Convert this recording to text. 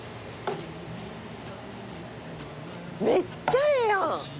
「めっちゃええやん！」